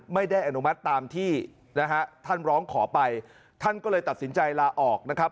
ไม่ได้อนุมัติตามที่นะฮะท่านร้องขอไปท่านก็เลยตัดสินใจลาออกนะครับ